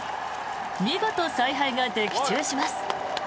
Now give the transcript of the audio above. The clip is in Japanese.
見事、采配が的中します。